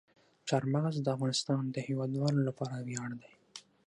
چار مغز د افغانستان د هیوادوالو لپاره ویاړ دی.